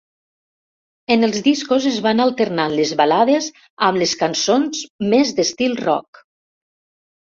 En els discos es van alternant les balades amb les cançons més d'estil Rock.